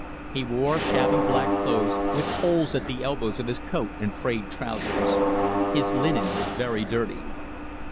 He wore shabby black clothes, with holes at the elbows of his coat and frayed trousers. His linen was very dirty.